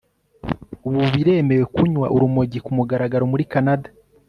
Ubu biremewe kunywa urumogi ku mugaragaro muri Canada